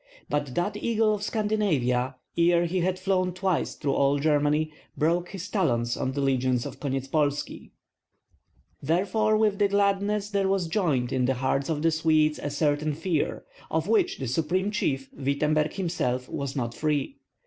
But that eagle of Scandinavia, ere he had flown twice through all Germany, broke his talons on the legions of Konyetspolski. Therefore with the gladness there was joined in the hearts of the Swedes a certain fear, of which the supreme chief, Wittemberg himself, was not free.